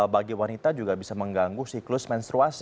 bagi wanita juga bisa mengganggu siklus menstruasi